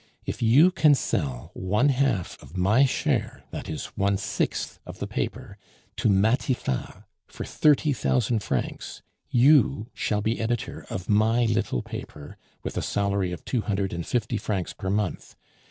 If you can sell one half of my share, that is one sixth of the paper, to Matifat for thirty thousand francs, you shall be editor of my little paper with a salary of two hundred and fifty francs per month.